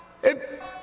「えっ」。